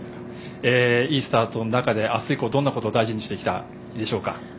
いいスタートの中で明日以降、どんなことを大事にしていきたいですか。